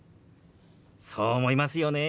そう思いますよね。